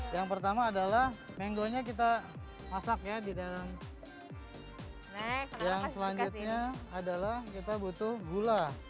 yang pertama adalah yang duanya kita masaknya di dalam yang selanjutnya adalah kita butuh gula